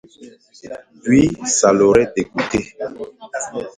Puis, ça l'aurait dégoûtée.